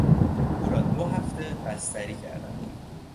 او را دو هفته بستری کردند.